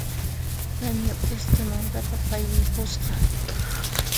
Tania p'isqi mankata qaywiykusqa.